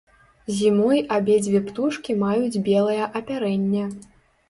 Зімой абедзве птушкі маюць белае апярэнне.